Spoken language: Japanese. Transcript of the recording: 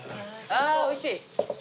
あおいしい。